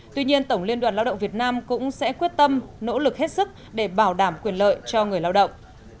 tuy nhiên tổng liên đoàn lao động việt nam cũng sẽ quyết tâm nỗ lực hết sức để bảo đảm quyền lợi cho người lao động